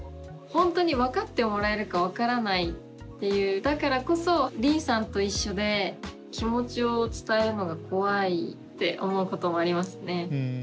本当に分かってもらえるか分からないっていうだからこそりんさんと一緒で気持ちを伝えるのが怖いって思うこともありますね。